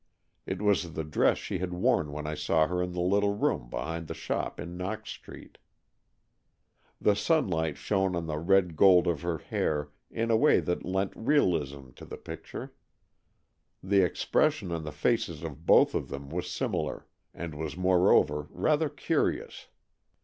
It was the dress she had worn when I saw her in the little room behind the shop in Knox Street. The sunlight shone on the red gold of her hair in a way that lent realism to the picture. The expression on the faces of both of them was similar, and was moreover rather curious.